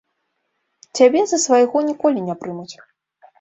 Цябе за свайго ніколі не прымуць.